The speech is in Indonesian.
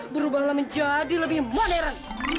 berubahlah menjadi lebih modern